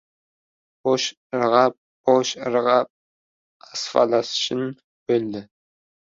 Bosh irg‘ab-bosh irg‘ab asfalnishin bo‘ldi.